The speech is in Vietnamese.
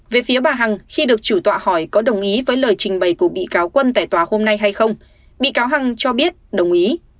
về phía bà hằng khi được chủ tọa hỏi có đồng ý với lời trình bày của bị cáo quân tại tòa hôm nay hay không bị cáo hằng cho biết đồng ý